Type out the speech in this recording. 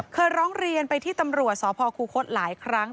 เคยร้องเรียนไปที่ตำรวจสพคูคศหลายครั้ง